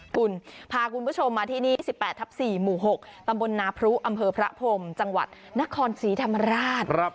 คุณพาคุณผู้ชมมาที่นี่๑๘ทับ๔หมู่๖ตำบลนาพรุอำเภอพระพรมจังหวัดนครศรีธรรมราช